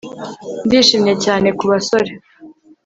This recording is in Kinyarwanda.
Ndishimye cyane kubasore